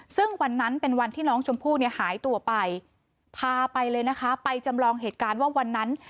ซึ่งวันนั้นเป็นวันที่น้องชมพู่เนี่ยหายตัวไปพาไปเลยนะคะไปจำลองเหตุการณ์ว่าวันนั้น